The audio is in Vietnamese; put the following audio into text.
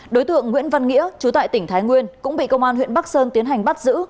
đối tượng nguyễn văn nghĩa chú tại tỉnh thái nguyên cũng bị công an huyện bắc sơn tiến hành bắt giữ